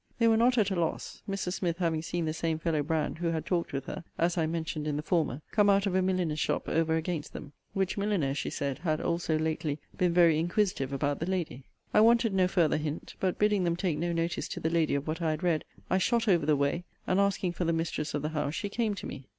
They were not at a loss; Mrs. Smith having seen the same fellow Brand who had talked with her, as I mentioned in the former,* come out of a milliner's shop over against them; which milliner, she said, had also lately been very inquisitive about the lady. * See Vol. VII. Letter LXXXI. I wanted no farther hint; but, bidding them take no notice to the lady of what I had read, I shot over the way, and, asking for the mistress of the house, she came to me.